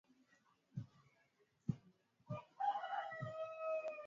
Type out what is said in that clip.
Abiria katika Daladala huwa wamesongamana na hakuna njia ya kutenga nafasi baina yao